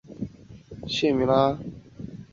台湾的地形也是恶化台湾空气污染的重要因素。